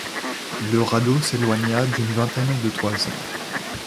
Le radeau s’éloigna d’une vingtaine de toises.